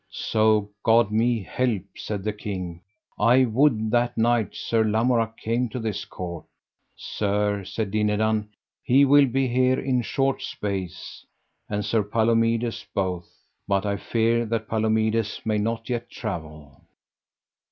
So God me help, said the king, I would that knight, Sir Lamorak, came to this Court. Sir, said Dinadan, he will be here in short space, and Sir Palomides both, but I fear that Palomides may not yet travel.